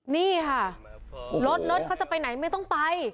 นี่ค่ะรถรถเขาจะไปไหนไม่ต้องไป